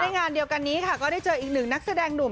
งานเดียวกันนี้ค่ะก็ได้เจออีกหนึ่งนักแสดงหนุ่ม